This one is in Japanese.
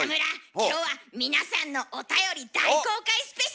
今日は皆さんのおたより大公開スペシャル！